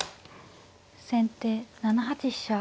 先手７八飛車。